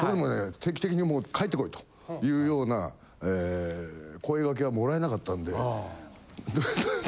定期的にもう帰って来いというような声掛けがもらえなかったんで。